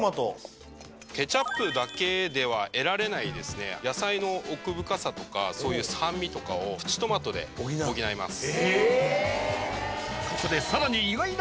続いてケチャップだけでは得られない野菜の奥深さとか酸味とかをプチトマトで補います。